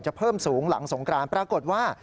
เพิ่มสูงหลังสงกรานปรากฏว่า